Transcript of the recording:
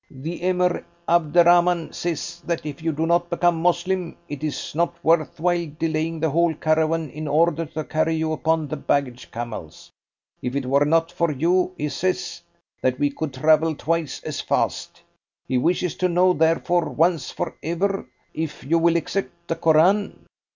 "The Emir Abderrahman says that if you do not become Moslem, it is not worth while delaying the whole caravan in order to carry you upon the baggage camels. If it were not for you, he says that we could travel twice as fast. He wishes to know therefore, once for ever, if you will accept the Koran."